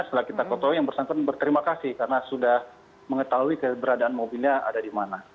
setelah kita ketahui yang bersangkutan berterima kasih karena sudah mengetahui keberadaan mobilnya ada di mana